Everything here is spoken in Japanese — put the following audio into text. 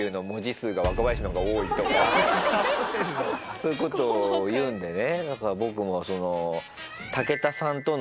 そういうことを言うんでね。